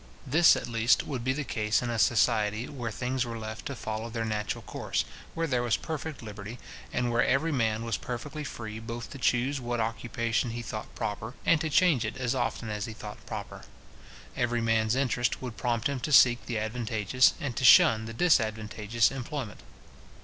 This, at least, would be the case in a society where things were left to follow their natural course, where there was perfect liberty, and where every man was perfectly free both to choose what occupation he thought proper, and to change it as often as he thought proper. Every man's interest would prompt him to seek the advantageous, and to shun the disadvantageous employment.